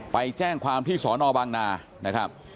ไปแจ้งความที่สอนอบางนานะครับ